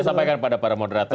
sampaikan pada para moderator